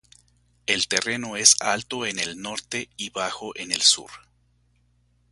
El terreno es alto en el norte y bajo en el sur.